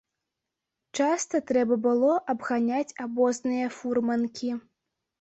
Часта трэба было абганяць абозныя фурманкі.